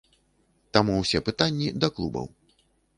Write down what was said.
Таму ўсе пытанні да клубаў.